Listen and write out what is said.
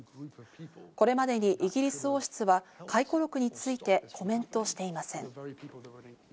これまでにイギリス王室は回顧録についてコメントしていません。